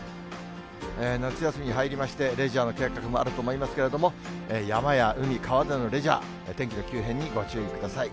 夏休みに入りまして、レジャーの計画もあると思いますけど、山や海、川でのレジャー、お天気の急変にご注意ください。